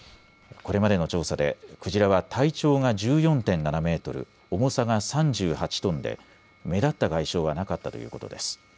これまでの調査でクジラは体長が１４．７メートル、重さが３８トンで目立った外傷はなかったということです。